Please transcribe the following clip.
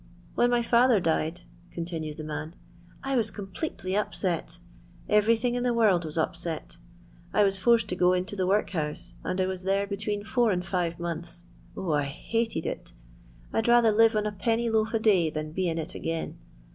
When my lather died, continued the man, " I was completely upset; everything in the world was upset I was forced to go into the workhouse, and I was there between four and fife months. 0, I hated it I 'd rather live on a penny loaf a day than be in it again.